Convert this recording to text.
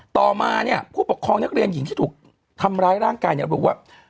ต่อมาเนี่ยผู้ปกครองนักเรียนหญิงที่ถูกทำร้ายร่างกายเนี่ยระบุว่า